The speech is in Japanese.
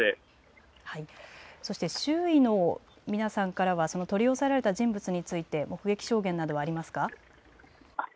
そして周囲の皆さんからは取り押さえられた人物について目撃情報などありますか。